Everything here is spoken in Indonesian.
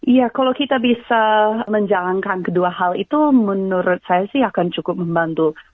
iya kalau kita bisa menjalankan kedua hal itu menurut saya sih akan cukup membantu